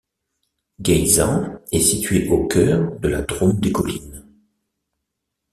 Geyssans est située au cœur de la Drôme des Collines.